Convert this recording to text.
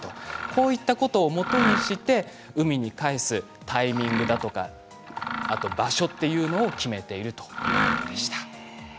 こういったことをもとにして海に返すタイミングだとか場所というのを決めているということでした。